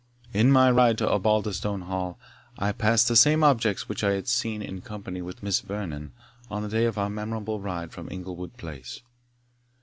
In my ride to Osbaldistone Hall, I passed the same objects which I had seen in company with Miss Vernon on the day of our memorable ride from Inglewood Place.